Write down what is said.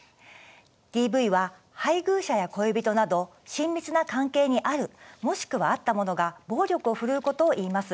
ＤＶは配偶者や恋人など親密な関係にあるもしくはあった者が暴力を振るうことをいいます。